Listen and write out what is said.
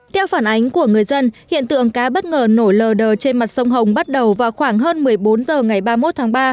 theo phản ánh của người dân hiện tượng cá bất ngờ nổi lờ đờ trên mặt sông hồng bắt đầu vào khoảng hơn một mươi bốn h ngày ba mươi một tháng ba